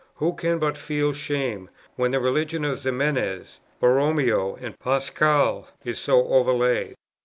Who can but feel shame when the religion of Ximenes, Borromeo, and Pascal, is so overlaid?